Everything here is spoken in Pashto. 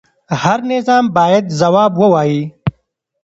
هر نظام باید ځواب ووایي